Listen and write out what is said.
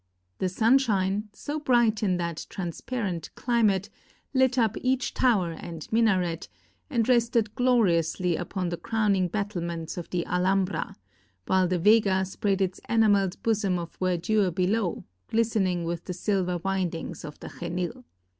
The sunshine, so bright in that transparent climate, lit up each tower and minaret, and rested gloriously upon the 464 THE SURRENDER OF GRANADA crowning battlements of the Alhambra; while the vega spread its enameled bosom of verdure below, glistening with the silver windings of the Xenil.